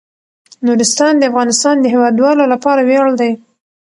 نورستان د افغانستان د هیوادوالو لپاره ویاړ دی.